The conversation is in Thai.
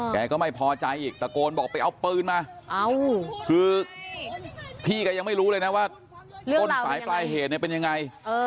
แกก็ไม่พอใจอีกตะโกนบอกไปเอาปืนมาคือพี่แกยังไม่รู้เลยนะว่าต้นสายปลายเหตุเนี่ยเป็นยังไง